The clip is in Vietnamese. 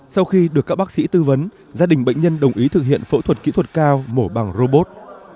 sau khi được các bác sĩ tư vấn gia đình bệnh nhân đồng ý thực hiện phẫu thuật kỹ thuật cao mổ bằng robot